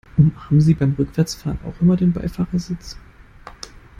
Umarmen Sie beim Rückwärtsfahren auch immer den Beifahrersitz?